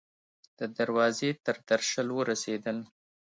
د دروازې تر درشل ورسیدل